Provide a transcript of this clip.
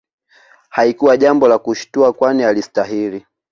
Halikuwa jambo la kushtua kwani alistahili